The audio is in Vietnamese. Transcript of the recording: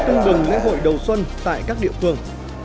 tương đừng với hội đầu xuân tại các địa phương